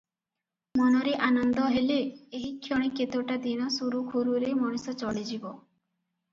ମନରେ ଆନନ୍ଦ ହେଲେ, ଏହିକ୍ଷଣି କେତୋଟା ଦିନ ସୁରୁଖୁରୁରେ ମଣିଷ ଚଳିଯିବ ।